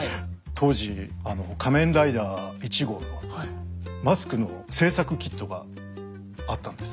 当時仮面ライダー１号のマスクの製作キットがあったんです。